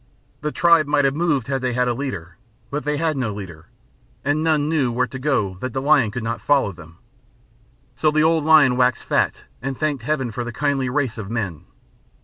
The tribe might have moved, had they had a leader, but they had no leader, and none knew where to go that the lion could not follow them. So the old lion waxed fat and thanked heaven for the kindly race of men.